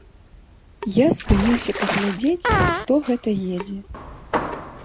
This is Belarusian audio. Я спыніўся паглядзець, хто гэта едзе.